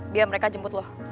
biar mereka jemput lo